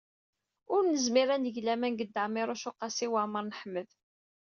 Ur nezmir ad neg laman deg Dda Ɛmiiruc u Qasi Waɛmer n Ḥmed.